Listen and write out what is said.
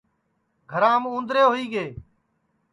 گھرام اُوندرے ہوئی گے